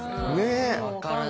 分からない。